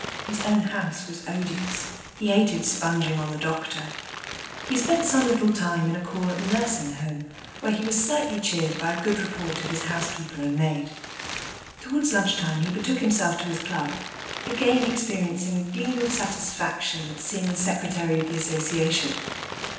His own house was odious; he hated sponging on the doctor. He spent some little time in a call at the Nursing Home, where he was slightly cheered by a good report of his housekeeper and maid. Towards lunch time he betook himself to his club, again experiencing a gleam of satisfaction at seeing the Secretary of the Association.